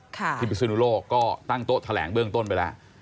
ที่พิศนุโลกก็ตั้งโต๊ะแถลงเบื้องต้นไปแล้ว